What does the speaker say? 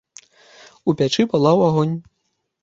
У печы палаў агонь.